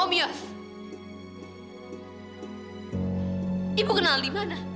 kamu sudah tahu di mana